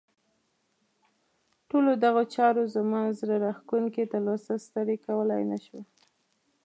ټولو دغو چارو زما زړه راښکونکې تلوسه ستړې کولای نه شوه.